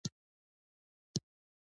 په منځنۍ اسیا کې نقشې عملي نه شي کولای.